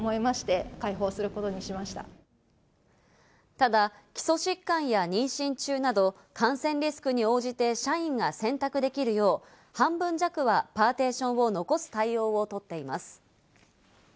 ただ基礎疾患や妊娠中など、感染リスクに応じて社員が選択できるよう半分弱はパーティションを残す対応を取っています。